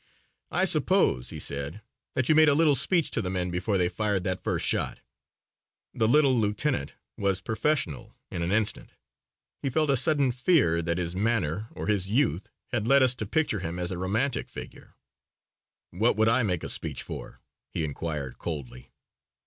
"I suppose," he said, "that you made a little speech to the men before they fired that first shot?" The little lieutenant was professional in an instant. He felt a sudden fear that his manner or his youth had led us to picture him as a romantic figure. "What would I make a speech for?" he inquired coldly.